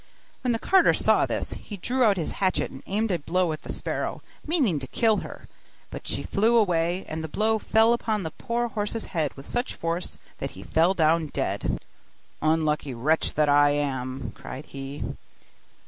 When the carter saw this, he drew out his hatchet and aimed a blow at the sparrow, meaning to kill her; but she flew away, and the blow fell upon the poor horse's head with such force, that he fell down dead. 'Unlucky wretch that I am!' cried he.